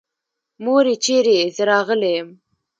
مورې چېرې يې؟ زه راغلی يم.